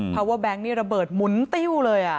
พาเวอร์แบงนี่ระเบิดหมุนติ้วเลย